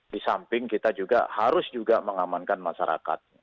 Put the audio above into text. di samping kita juga harus juga mengamankan masyarakat